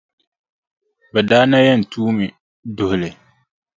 Bɛ daa na yɛn tuumi duhi li.